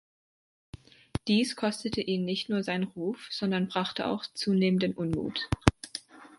Dies kostete ihn nicht nur seinen Ruf, sondern brachte auch zunehmenden Unmut.